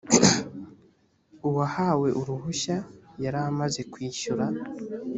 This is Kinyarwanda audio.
uwahawe uruhushya yaramaze kwishyura